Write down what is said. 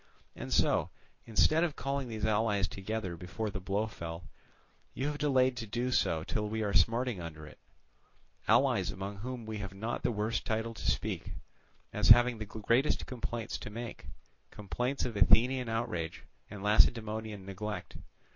And so, instead of calling these allies together before the blow fell, you have delayed to do so till we are smarting under it; allies among whom we have not the worst title to speak, as having the greatest complaints to make, complaints of Athenian outrage and Lacedaemonian neglect.